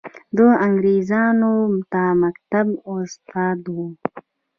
ده انګرېزانو ته مکتوب واستاوه.